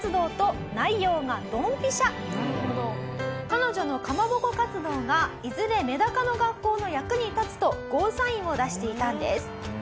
彼女のかまぼこ活動がいずれ目高の学校の役に立つとゴーサインを出していたんです。